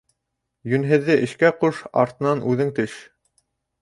Йүнһеҙҙе эшкә ҡуш, артынан үҙең төш.